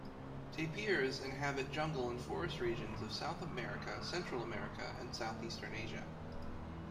Tapirs inhabit jungle and forest regions of South America, Central America, and Southeastern Asia.